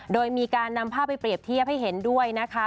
โดยมีการนำภาพไปเปรียบเทียบให้เห็นด้วยนะคะ